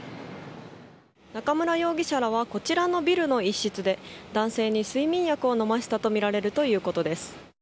中村容疑者らはこちらのビルの一室で男性に睡眠薬を飲ませたとみられるということです。